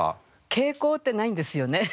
傾向ってないんですよね。